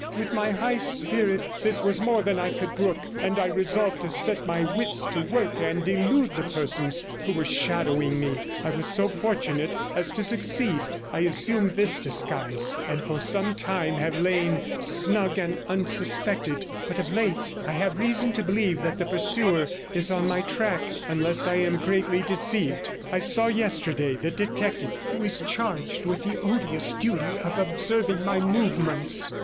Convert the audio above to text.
With my high spirit this was more than I could brook, and I resolved to set my wits to work and elude the persons who were shadowing me. I was so fortunate as to succeed; I assumed this disguise, and for some time have lain snug and unsuspected. But of late I have reason to believe that the pursuer is on my track; unless I am greatly deceived, I saw yesterday the detective who is charged with the odious duty of observing my movements.